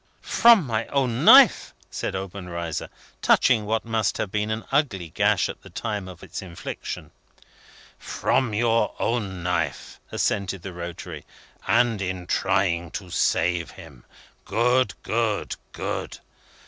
" From my own knife," said Obenreizer, touching what must have been an ugly gash at the time of its infliction. "From your own knife," assented the notary, "and in trying to save him. Good, good, good.